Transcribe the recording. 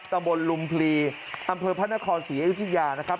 ตำบลลุมพลีอำเภอพระนครศรีอยุธยานะครับ